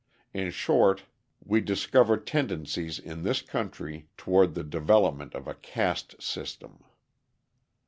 In short, we discover tendencies in this country toward the development of a caste system.